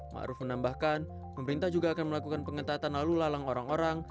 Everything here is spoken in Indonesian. maruf menambahkan pemerintah juga akan melakukan pengetahuan lalu lalang orang orang